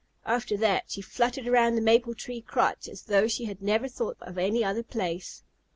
After that she fluttered around the maple tree crotch as though she had never thought of any other place.